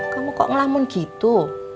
kamu kok ngelamun gitu